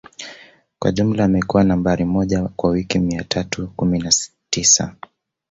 Kwa jumla amekuwa Nambari moja kwa wiki mia tatu kumi na tisa